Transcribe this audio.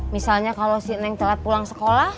misalnya kalau si neng telat pulang sekolah